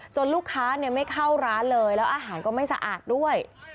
ลูกค้าไม่เข้าร้านเลยแล้วอาหารก็ไม่สะอาดด้วย